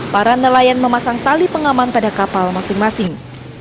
para nelayan memasang tali pengaman pada kapal masing masing